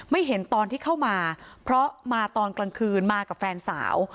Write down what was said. เห็นตอนที่เข้ามาเพราะมาตอนกลางคืนมากับแฟนสาว